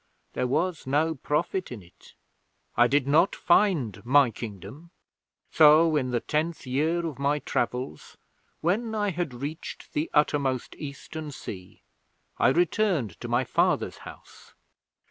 There was no profit in it. I did not find my Kingdom. So, in the tenth year of my travels, when I had reached the Uttermost Eastern Sea, I returned to my father's house.